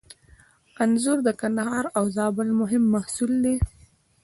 انځر د کندهار او زابل مهم محصول دی.